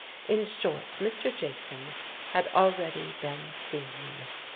In short, Mr. Jason had already been "seen."